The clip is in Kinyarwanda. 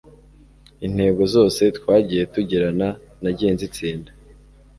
Intego zose twagiye tugirana nagiye nzitsinda